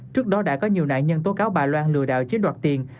trước đó đã có nhiều nạn nhân tố cáo bà loan lừa đạo chiến đoạt tiền